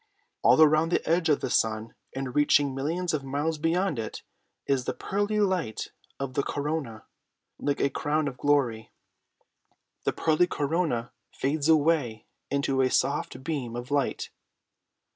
All around the edge of the sun, and reaching millions of miles beyond it, is the pearly light of the corona like a crown of glory. The pearly corona fades away into a soft beam of light."